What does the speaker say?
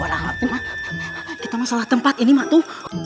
warahmatullah kita masalah tempat ini matu